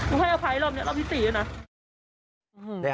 กูให้อภัยรอบนี้รอบที่๔น่ะ